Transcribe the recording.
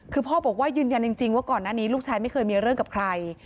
คือพ่อบอกว่ายืนยันจริงว่าก่อนหน้านี้ลูกชายไม่เคยมีเรื่องกับใคร